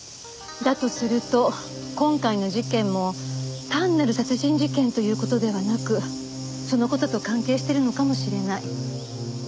だとすると今回の事件も単なる殺人事件という事ではなくその事と関係しているのかもしれない。